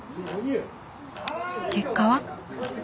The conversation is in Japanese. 結果は？